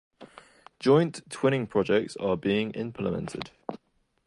Joint twinning projects are being implemented.